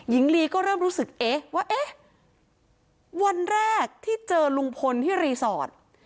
ยิงรีก็เริ่มรู้สึกว่าวันแรกที่เจอลุงพลที่รีสอร์ท